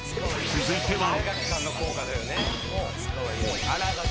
［続いては］